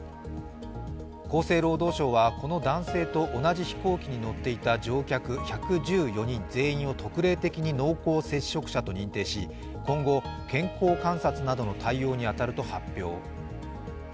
厚生労働省はこの男性と同じ飛行機に乗っていた乗客１１４人全員を特例的に濃厚接触者と認定し今後、健康観察などの対応に当たると発表。